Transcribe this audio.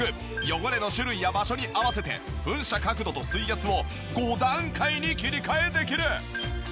汚れの種類や場所に合わせて噴射角度と水圧を５段階に切り替えできる。